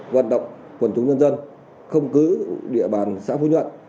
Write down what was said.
vận động quần chúng nhân dân không cứ địa bàn xã phú nhuận